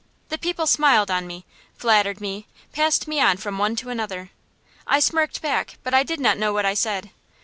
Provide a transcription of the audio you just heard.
The people smiled on me, flattered me, passed me on from one to another. I smirked back, but I did not know what I said.